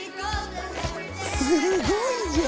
すごいじゃん！